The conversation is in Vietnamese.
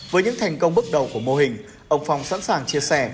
với những thành công bước đầu của mô hình ông phong sẵn sàng chia sẻ